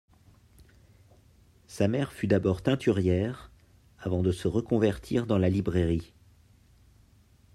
Sa mère fut d'abord teinturière, avant de se reconvertir dans la librairie.